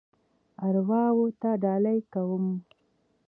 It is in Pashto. ارواوو ته ډالۍ کوم.